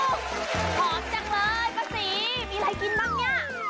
หอมจังเลยป้าศรีมีอะไรกินบ้างเนี่ย